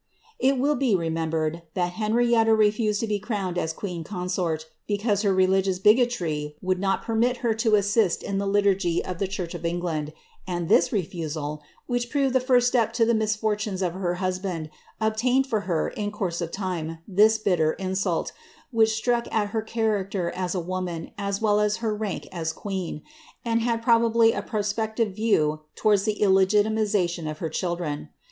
It will be re ibered, that Henrietta refused to be crowned as queen consort, be te her religious bigotry would not permit her to assist in the lituigy lie church of England, and this refusal, which proved the first step ie misfortunes of her husband, obtained for her, in course of time, bitter insult, which struck at her character as a woman, as well as rank as queen, and had probably a prospective view towards the itimation of her children.